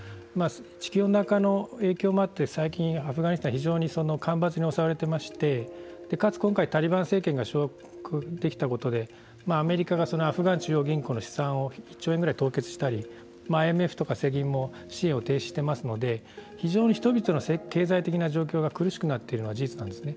地球温暖化の影響もあって最近アフガニスタン非常に干ばつに襲われてましてかつ今回タリバン政権が掌握できたことでアメリカがそのアフガン中央銀行の資産を１兆円ぐらい凍結したりＩＭＦとか世銀も支援を停止していますので非常に人々の経済的な状況が苦しくなっているのは事実なんですね。